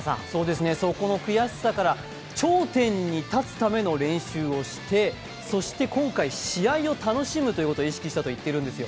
そこの悔しさから頂点に立つための練習をして、そして今回、試合を楽しむことを意識したと言ってるんです。